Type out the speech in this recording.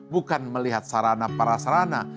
bukan melihat sarana para sarana